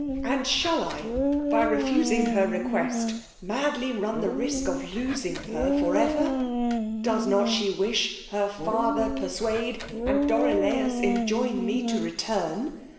and shall I, by refusing her request, madly run the risque of losing her for ever! Does not she wish, her father persuade, and Dorilaus enjoin me to return!